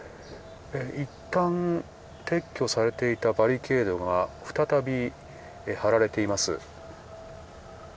いったん撤去されていたバリケードが再び張られています。